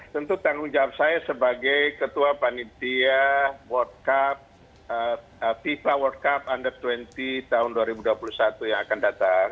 tentu tanggung jawab saya sebagai ketua panitia world cup fifa world cup under dua puluh tahun dua ribu dua puluh satu yang akan datang